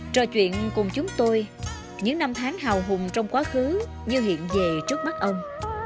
trò chuyện cùng chúng tôi những năm tháng hào hùng trong quá khứ như hiện về trước mắt ông